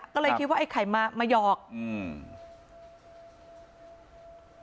ก็เลยคิดว่าไอ้ไข่มามาหยอกอืม